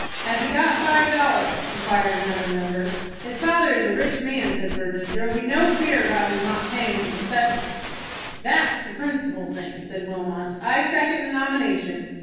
"Has he got five dollars?" inquired another member. "His father is a rich man," said Burgess. "There will be no fear about his not paying his assessments." "That's the principal thing," said Wilmot. "I second the nomination."